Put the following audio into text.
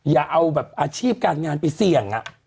อย่าเอาแบบอาชีพการงานไปเสี่ยง